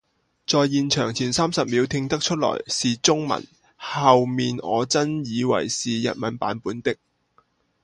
在现场，前三十秒听得出来是中文，后面我真以为是日文版本的